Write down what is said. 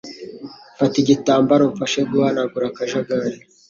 Fata igitambaro umfashe guhanagura akajagari.